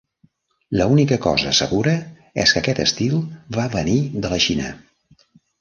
L'única cosa segura és que aquest estil va venir de la Xina.